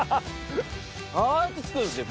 ああやってつくんですね。